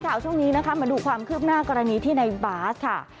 ข่าวช่วงนี้นะคะมาดูความคืบหน้ากรณีที่ในบาสค่ะ